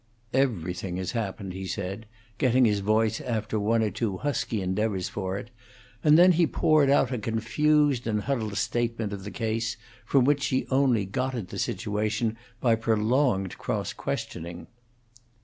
"Everything has happened," he said, getting his voice after one or two husky endeavors for it; and then he poured out a confused and huddled statement of the case, from which she only got at the situation by prolonged cross questioning.